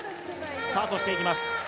スタートしていきます。